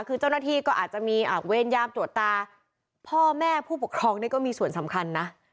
คือเจ้าหน้าที่ก็อาจจะมีเวรยามตรวจตาพ่อแม่ผู้ปกครองนี่ก็มีส่วนสำคัญนะ